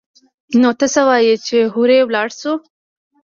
نو ته څه وايي چې هورې ولاړ سو.